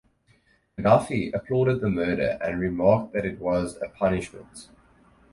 Gaddafi applauded the murder and remarked that it was a punishment.